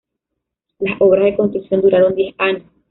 Las obras de construcción duraron diez años.